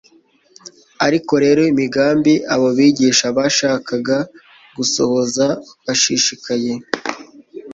Ariko rero imigambi abo bigisha bashakaga gusohoza bashishikaye